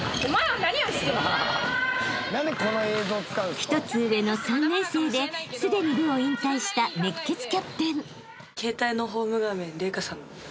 ［１つ上の３年生ですでに部を引退した熱血キャプテン］